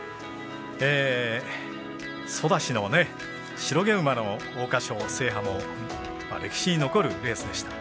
ソダシの白毛馬の桜花賞制覇も歴史に残るレースでした。